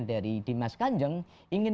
dari dimas kanjeng ingin